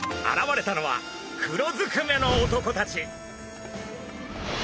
現れたのは黒ずくめの男たち。